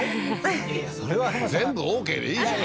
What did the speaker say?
いやそれは全部オーケーでいいじゃん